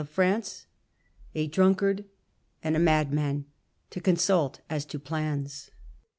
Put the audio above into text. of France, " a drmikard and a madman," to consult as to plans.